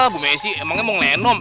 bu messi emangnya mau nge lenom